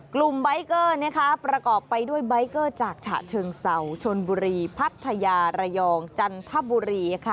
กลุ่มใบเกอร์เนี่ยครับประกอบไปด้วยใบเกอร์จากฉะเชิงเศร้าชนบุรีพัทยาระยองจันทบุรีค่ะ